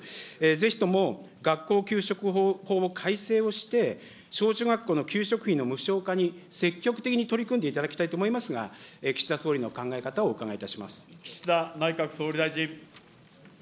ぜひとも学校給食法を改正して、小中学校の給食費の無償化に積極的に取り組んでいただきたいと思いますが、岸田総理の考え方をお伺いいたします。